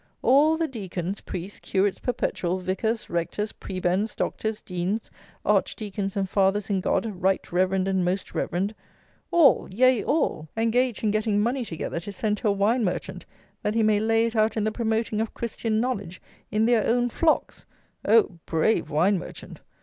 all the deacons, priests, curates perpetual, vicars, rectors, prebends, doctors, deans, archdeacons and fathers in God, right reverend and most reverend; all! yea all, engaged in getting money together to send to a wine merchant that he may lay it out in the promoting of Christian knowledge in their own flocks! Oh, brave wine merchant!